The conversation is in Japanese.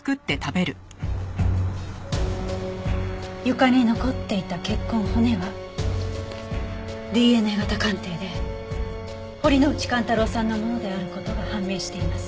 床に残っていた血痕骨はＤＮＡ型鑑定で堀之内寛太郎さんのものである事が判明しています。